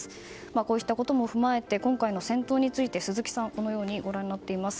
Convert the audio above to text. こうしたことも踏まえて今回の戦闘について鈴木さんはこのように見ています。